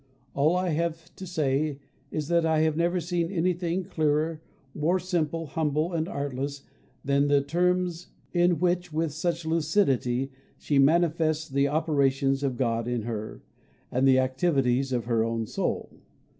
All I have to say is that I have never seen anything clearer, more simple, humble, and artless, than the terms, in which, with such lucidity, she manifests the operations of God in her, and the activities of her own soul.